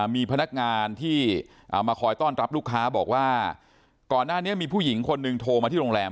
มีพนักงานที่มาคอยต้อนรับลูกค้าบอกว่าก่อนหน้านี้มีผู้หญิงคนหนึ่งโทรมาที่โรงแรม